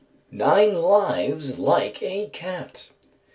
_Nine lives like a cat.